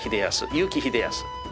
結城秀康。